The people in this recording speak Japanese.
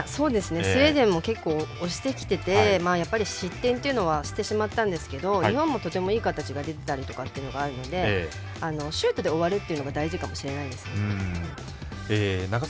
スウェーデンも結構、押してきててやっぱり失点っていうのはしてしまったんですけど日本もとてもいい形が出ていたりとかもあるのでシュートで終わるっていうのが大事かもしれないです。